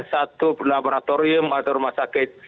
satu laboratorium atau rumah sakit